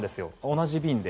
同じ便で。